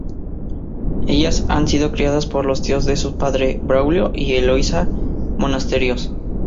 Ellas han sido criadas por los tíos de su padre, Braulio y Eloisa Monasterios.